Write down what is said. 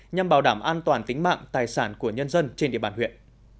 nhằm bảo đảm an toàn tính mạng tài sản của nhân dân trên địa bàn huyện